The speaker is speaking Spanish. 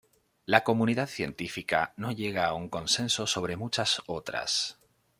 La comunidad científica no llega a un consenso sobre muchas otras.